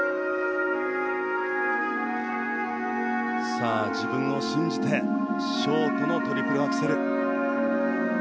さあ自分を信じてショートのトリプルアクセル。